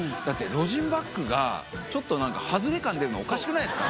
ロジンバッグが、ちょっとなんか外れ感出るの、おかしくないですか？